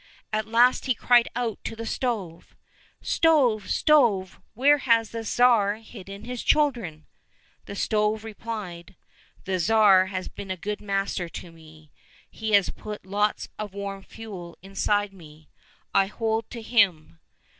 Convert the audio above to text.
At last he cried out to the stove, " Stove, stove, where has the Tsar hidden his children ?"— The stove replied, " The Tsar has been a good master to me ; he has put lots of warm fuel inside me ; I hold to him."